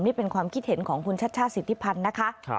นี่เป็นความคิดเห็นของคุณชัชชาติสิทธิพันธ์นะคะ